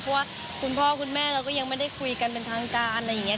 เพราะว่าคุณพ่อคุณแม่เราก็ยังไม่ได้คุยกันเป็นทางการอะไรอย่างนี้